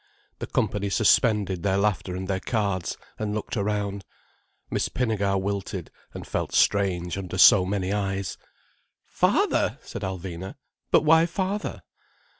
The company suspended their laughter and their cards, and looked around. Miss Pinnegar wilted and felt strange under so many eyes. "Father!" said Alvina. "But why father?"